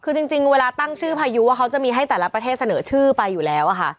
คือจริงเวลาตั้งชื่อพายุว่าเขาจะมีให้แต่ละประเทศเสนอชื่อไปอยู่แล้วค่ะ